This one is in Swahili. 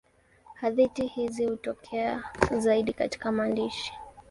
Hadithi hizi hutokea zaidi katika maandishi.